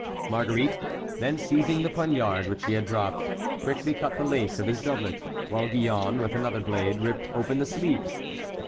Marguerite, then seizing the poniard which he had dropped, quickly cut the lace of his doublet; while Gillonne, with another blade, ripped open the sleeves.